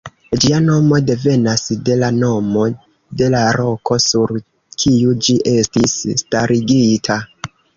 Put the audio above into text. Ĝia nomo devenas de la nomo de la roko, sur kiu ĝi estis starigita.